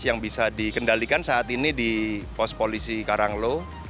yang bisa dikendalikan saat ini di pos polisi karanglo